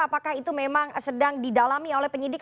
apakah itu memang sedang didalami oleh penyidik